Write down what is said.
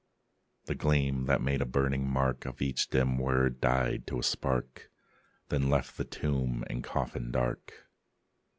The gleam, that made a burning mark Of each dim word, died to a spark; Then left the tomb and coffin dark.